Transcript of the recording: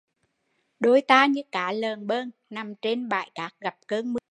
Đôi ta như cá lờn bơn, nằm trên bãi cát gặp cơn mưa rào